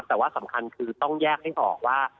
แต่ว่าสำคัญคือต้องแยกให้ออกว่า